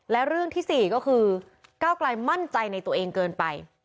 และเรื่องที่๔ก็คือก้าวกลายมั่นใจในตัวเองเกินไป